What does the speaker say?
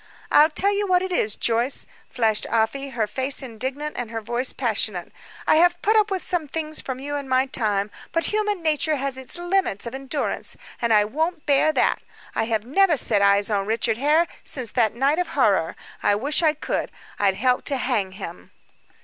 "I'll tell you what it is, Joyce," flashed Afy, her face indignant and her voice passionate, "I have put up with some things from you in my time, but human nature has its limits of endurance, and I won't bear that. I have never set eyes on Richard Hare since that night of horror; I wish I could; I'd help to hang him."